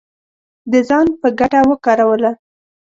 د ځان په ګټه وکاروله